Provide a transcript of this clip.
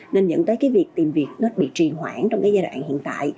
nên dẫn tới việc tìm việc nó bị trì hoãn trong giai đoạn hiện tại